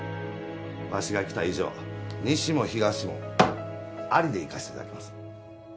わしが来た以上西も東もありでいかせて頂きます。